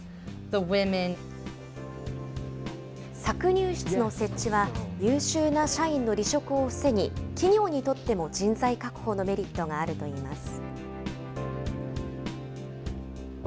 搾乳室の設置は、優秀な社員の離職を防ぎ、企業にとっても人材確保のメリットがあるといいます。